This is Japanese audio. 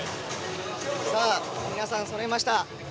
皆さんがそろいました。